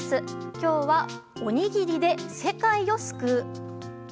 今日は、おにぎりで世界を救う。